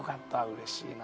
うれしいな。